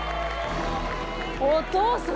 お父さん。